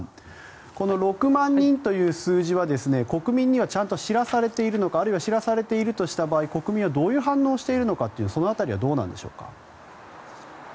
この６万人という数字は国民にはちゃんと知らされているのかあるいは知らされているとした場合国民はどういう反応をしているのかその辺りはどうなんでしょうか。